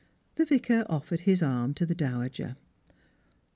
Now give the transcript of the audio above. The Vicar offered his arm to the dowager.